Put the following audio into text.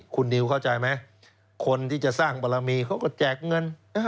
คุณนิวเข้าใจไหมคนที่จะสร้างบารมีเขาก็แจกเงิน